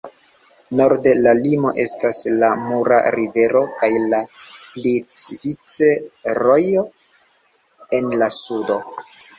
Norde, la limo estas la Mura Rivero kaj la Plitvice-Rojo en la sudo.